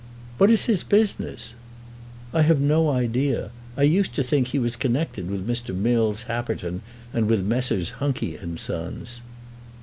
"What is his business?" "I have no idea. I used to think he was connected with Mr. Mills Happerton and with Messrs. Hunky and Sons."